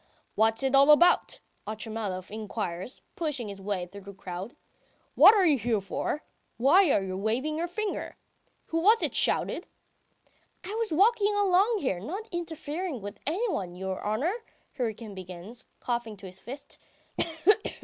"What's it all about?" Otchumyelov inquires, pushing his way through the crowd. "What are you here for? Why are you waving your finger ...? Who was it shouted?" "I was walking along here, not interfering with anyone, your honour," Hryukin begins, coughing into his fist.